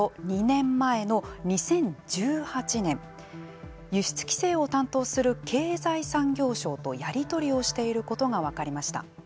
２年前の２０１８年輸出規制を担当する経済産業省とやり取りをしていることが分かりました。